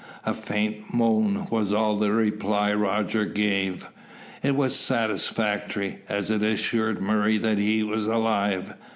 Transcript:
A faint moan was all the reply Rogers gave. It was satisfactory, as it assured Murray that he was alive.